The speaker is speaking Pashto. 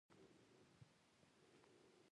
آیا توره د پښتنو د تاریخي مبارزو نښه نه ده؟